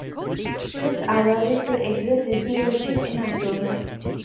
This allowed it to exit receivership in October.